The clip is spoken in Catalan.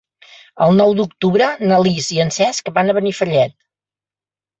El nou d'octubre na Lis i en Cesc van a Benifallet.